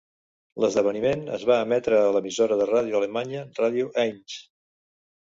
L'esdeveniment es va emetre a l'emissora de ràdio alemanya Radio Eins.